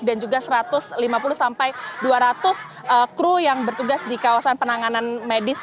dan juga satu ratus lima puluh sampai dua ratus kru yang bertugas di kawasan penanganan medis